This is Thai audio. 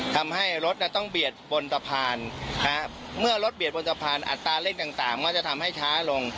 ทำให้รถต้องเบียดบนสะพานเมื่อรถเบียดบนสะพานอัตราเร่งต่างก็จะทำให้ช้าลง